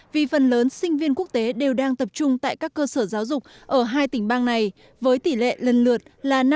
vì phần lớn sinh viên quốc tế đều đang tập trung tại các cơ sở giáo dục ở hai tỉnh bang này với tỷ lệ lần lượt là năm mươi